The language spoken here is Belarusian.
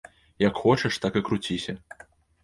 Як хочаш, так і круціся.